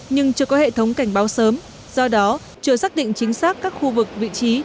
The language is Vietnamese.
nhưng chưa có hệ thống cảnh báo sớm do đó chưa xác định chính xác các khu vực vị trí